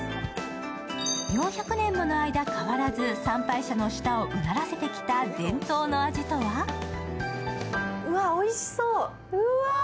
４００年もの間、変わらず参拝者の舌をうならせてきた伝統の味とはうわ、おいしそう。